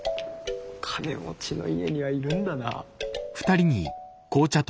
金持ちの家にはいるんだな。